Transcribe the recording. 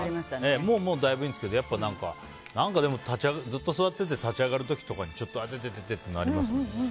もうだいぶいいんですけど何かずっと座ってて立ち上がる時とかにちょっといててってなりますね。